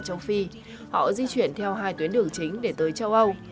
họ di chuyển theo hai tuyến đường chính để tới châu âu